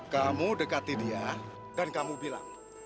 kamu dekati dia dan kamu bilang